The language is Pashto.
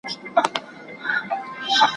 لمبه پر سر درته درځم جانانه هېر مي نه کې ,